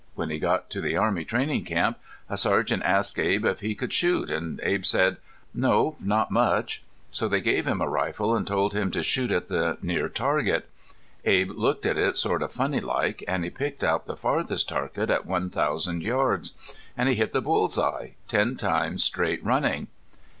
When he got to the army training camp a sergeant asked Abe if he could shoot. Abe said: 'Nope, not much.' So they gave him a rifle and told him to shoot at the near target. Abe looked at it sort of funny like and he picked out the farthest target at one thousand yards. And he hit the bull's eye ten times straight running.